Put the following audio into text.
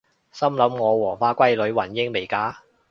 心諗我黃花閨女雲英未嫁！？